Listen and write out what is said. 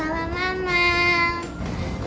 aku suka main sama aku